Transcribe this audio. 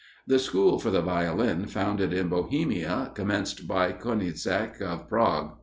The school for the Violin founded in Bohemia, commenced by Konieseck of Prague.